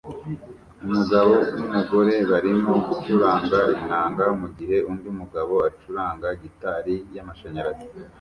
Umugabo numugore barimo gucuranga inanga mugihe undi mugabo acuranga gitari yamashanyarazi